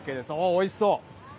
おいしそう。